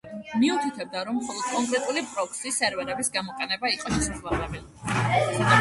მიუთითებდა, რომ მხოლოდ კონკრეტული პროქსი სერვერების გამოყენება იყო შესაძლებელი.